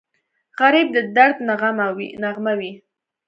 غریب د درد نغمه وي